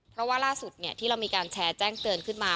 เพราะว่าล่าสุดที่เรามีการแชร์แจ้งเตือนขึ้นมา